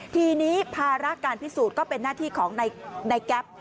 ทีนี้ภาระการพิสูจน์ก็เป็นหน้าที่ของในแก๊ป